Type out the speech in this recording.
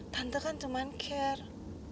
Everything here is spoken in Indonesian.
tante kan cuman care